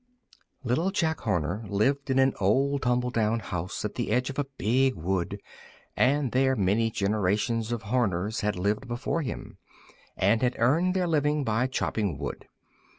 LITTLE JACK HORNER lived in an old, tumble down house at the edge of a big wood; and there many generations of Horners had lived before him, and had earned their living by chopping wood.